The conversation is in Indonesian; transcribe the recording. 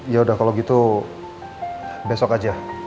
yaudah kalau gitu besok aja